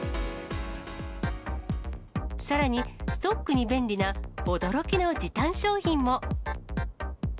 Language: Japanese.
さらに、ストックに便利な驚きの時短商品も。